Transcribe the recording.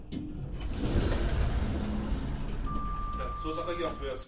捜査会議を始めます。